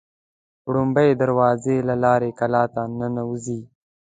لومړۍ دروازې له لارې قلا ته ننوزي.